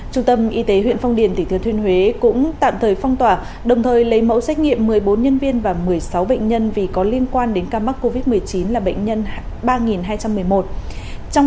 trung tâm y tế huyện phong điền tỉnh thừa thuyên huế cũng tạm thời phong tỏa đồng thời lấy mẫu xét nghiệm một mươi bốn nhân viên và một mươi sáu bệnh nhân vì có liên quan đến ca mắc covid một mươi chín là bệnh nhân ba hai trăm một mươi một